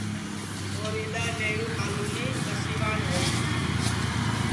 اور اِدؔا نیہرو کالونی ٻسیوان ہوئی